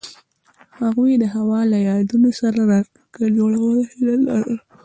هغوی د هوا له یادونو سره راتلونکی جوړولو هیله لرله.